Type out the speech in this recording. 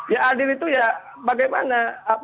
ya adil itu ya bagaimana